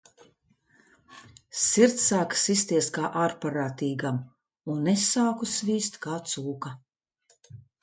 Sirds sāka sisties kā ārprātīgam, un es sāku svīst kā cūka.